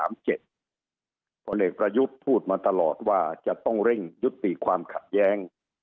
ผลเอกประยุทธ์พูดมาตลอดว่าจะต้องเร่งยุติความขัดแย้ง